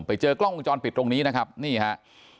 ไปเจอกล้องวงจรปิดตรงนี้นะครับนี่ฮะ